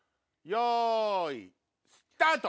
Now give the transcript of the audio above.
よいスタート！